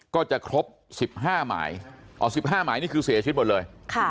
ก็จะครบ๑๕หมาย๑๕หมายนี่คือเสียชีวิตหมดเลย